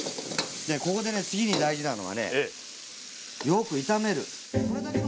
ここでね次に大事なのはねよく炒める。